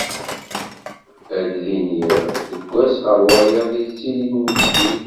Ad d-iniɣ, seg wass ɣer wayeḍ yettili-d ujdid.